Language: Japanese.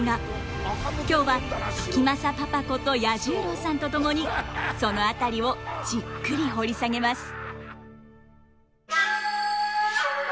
今日は時政パパこと彌十郎さんと共にその辺りをじっくり掘り下げます。